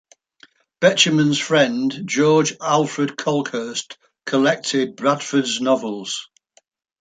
Betjeman's friend George Alfred Kolkhorst collected Bradford's novels.